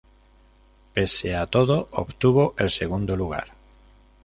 Pese a todo, obtuvo el segundo lugar.